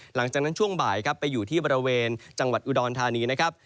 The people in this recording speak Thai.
หลังจากนั้นช่วงบ่ายครับไปอยู่ที่บริเวณจังหวัดอุดรธานีนะครับ